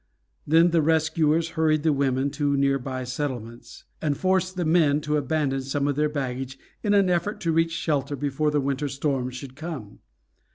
Then the rescuers hurried the women to near by settlements, and forced the men to abandon some of their baggage in an effort to reach shelter before the winter storms should come.